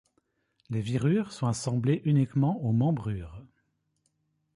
Les virures sont assemblées uniquement aux membrures.